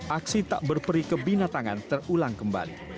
aksi tak berperi ke binatangan terulang kembali